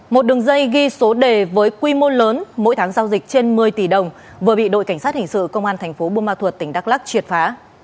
một đường dây ghi số đề với quy mô lớn mỗi tháng giao dịch trên một mươi tỷ đồng vừa bị đội cảnh sát hình sự công an thành phố buôn ma thuột tỉnh đắk lắc triệt phá